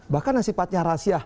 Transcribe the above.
bahkan nasibatnya rahasia